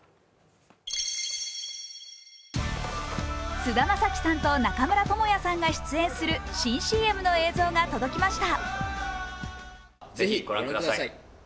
菅田将暉さんと中村倫也さんが出演する新ＣＭの映像が届きました。